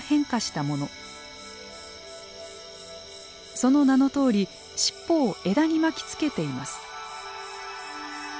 その名のとおり尻尾を枝に巻きつけています。